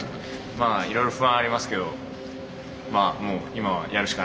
まあいろいろ不安ありますけどもう今はやるしかないんで頑張ります。